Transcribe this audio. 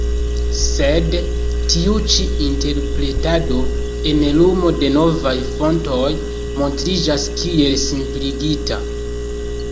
Sed tiu ĉi interpretado en lumo de novaj fontoj montriĝas kiel simpligita.